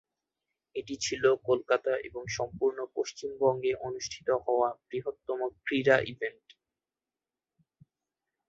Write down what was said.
এটি ছিল কলকাতা এবং সম্পূর্ণ পশ্চিমবঙ্গে অনুষ্ঠিত হওয়া বৃহত্তম ক্রীড়া ইভেন্ট।